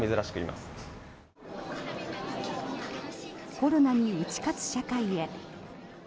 コロナに打ち勝つ社会へ。